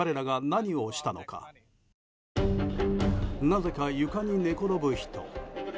なぜか床に寝転ぶ人。